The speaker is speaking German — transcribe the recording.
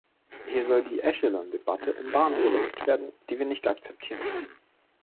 Hier soll die Echelon-Debatte in Bahnen gelenkt werden, die wir nicht akzeptieren können.